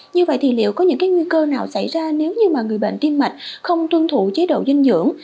như vậy thì liệu có những nguy cơ nào xảy ra nếu như mà người bệnh tim mạch không tuân thủ chế độ dinh dưỡng